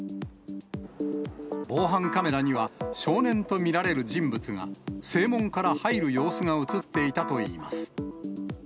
防犯カメラには、少年と見られる人物が正門から入る様子が写っていたといいます。